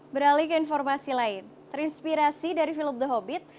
beralih ke informasi lain terinspirasi dari film the hobbit